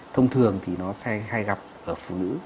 thông thường thì nó hay gặp ở phụ nữ